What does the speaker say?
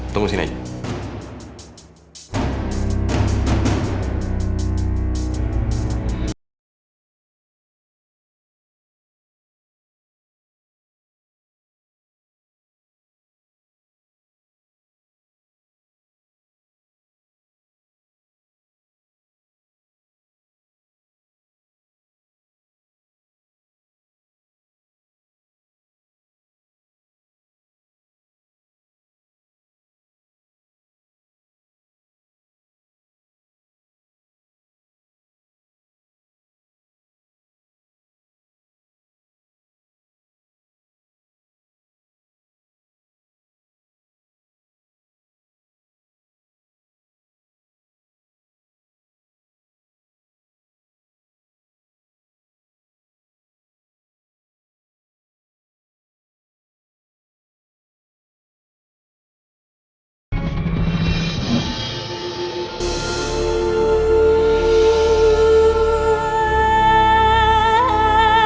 tunggu sini aja